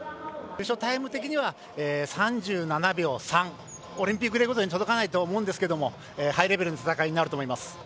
タイム的には３７秒３オリンピックレコードには届かないと思うんですけどハイレベルな戦いになると思います。